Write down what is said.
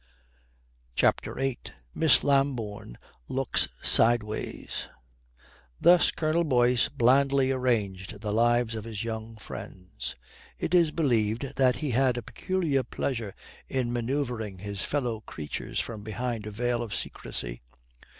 CHAPTER VIII MISS LAMBOURNE LOOKS SIDEWAYS Thus Colonel Boyce blandly arranged the lives of his young friends. It is believed that he had a peculiar pleasure in manoeuvring his fellow creatures from behind a veil of secrecy.